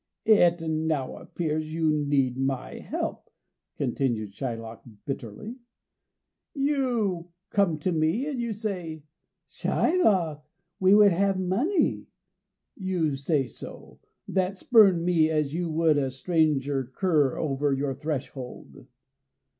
"It now appears you need my help," continued Shylock bitterly. "You come to me and you say, 'Shylock, we would have money' you say so, that spurned me as you would a stranger cur over your threshold!